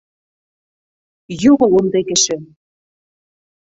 Юҡ ул ундай кеше.